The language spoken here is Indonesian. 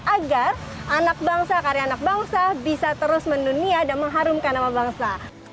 agar anak bangsa karya anak bangsa bisa terus mendunia dan mengharumkan nama bangsa